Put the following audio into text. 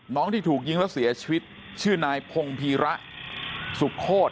ที่ถูกยิงแล้วเสียชีวิตชื่อนายพงพีระสุโคตร